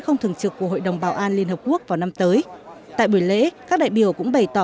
không thường trực của hội đồng bảo an liên hợp quốc vào năm tới tại buổi lễ các đại biểu cũng bày tỏ